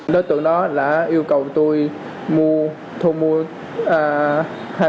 đối tượng đó đã yêu cầu tôi mua thu mua hai mươi năm cái tiền